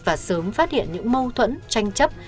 và sớm phát hiện những mâu thuẫn tranh chấp